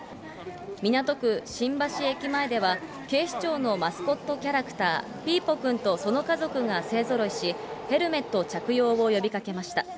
港区新橋駅前では、警視庁のマスコットキャラクター、ピーポくんとその家族が勢ぞろいし、ヘルメット着用を呼びかけました。